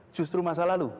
justru masa lalu